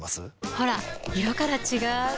ほら色から違う！